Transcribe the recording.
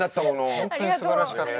本当にすばらしかった。